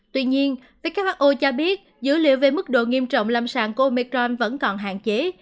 tuy nhiên who cho biết dữ liệu về mức độ nghiêm trọng lâm sàng của omecron vẫn còn hạn chế